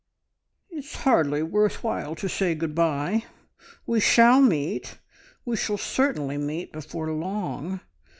"It's hardly worth while to say good bye. We shall meet, we shall certainly meet before long.